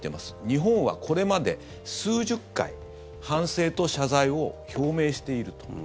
日本はこれまで数十回反省と謝罪を表明していると。